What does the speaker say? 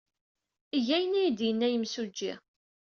Eg ayen ay d-yenna yimsujji.